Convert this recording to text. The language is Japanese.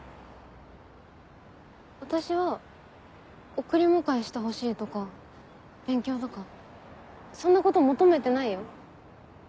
私は送り迎えしてほしいとか勉強とかそんなこと求めてないよ。